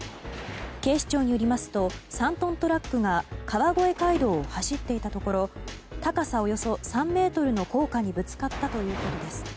警視庁によりますと３トントラックが川越街道を走っていたところ高さおよそ３ｍの高架にぶつかったということです。